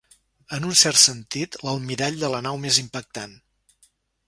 En un cert sentit, l'almirall de la nau més impactant.